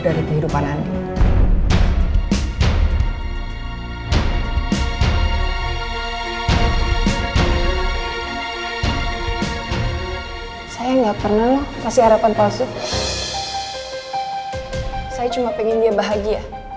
dan dia bahagia